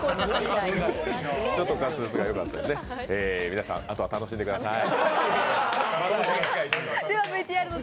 皆さん、あとは楽しんでください。